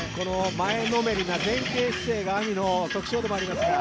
前のめりな前傾姿勢がＡＭＩの特徴でもありますから。